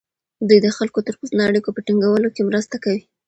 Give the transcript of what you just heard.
دوی د خلکو ترمنځ د اړیکو په ټینګولو کې مرسته کوي.